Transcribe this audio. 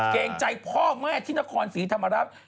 เกรงใจพ่อแม่ที่นครศรีธรรมราช